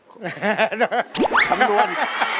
คำด้วน